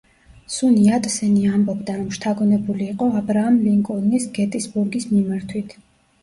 სუნ იატსენი ამბობდა, რომ შთაგონებული იყო აბრაამ ლინკოლნის გეტისბურგის მიმართვით.